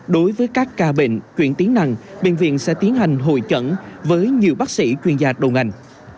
đối với các ca bệnh chuyển tiến năng bệnh viện sẽ tiến hành hội chẩn với nhiều bác sĩ chuyên gia đồng ảnh